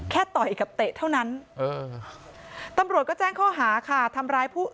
แค่ต่อยกับเตะเท่านั้นตำรวจก็แจ้งข้อหาค่ะ